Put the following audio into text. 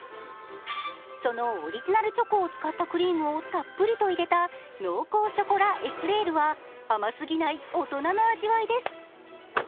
そのオリジナルチョコを使ったクリームをたっぷりと入れた濃厚ショコラエクレールは甘すぎない、大人の味わいです。